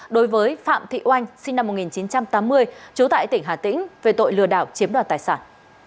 đối với phạm thị oanh sinh năm một nghìn chín trăm tám mươi trú tại tỉnh hà tĩnh về tội lừa đảo chiếm đoạt tài sản